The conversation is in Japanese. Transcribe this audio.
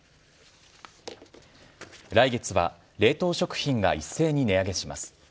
来月は冷凍食品が一斉に値上げします。